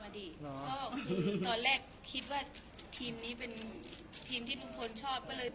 อันดีเป็นอ่าบริษัทที่ที่ที่อเมริกาค่ะเขาดังมากเกี่ยวกับ